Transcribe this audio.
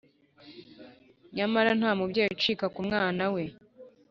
nyamara nta mubyeyi ucika ku mwana we.